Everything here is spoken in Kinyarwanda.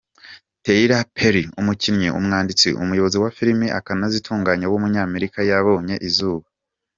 Tyler Perry, umukinnyi, umwanditsi, umuyobozi wa film akanazitunganya w’umunyamerika yabonye izuba.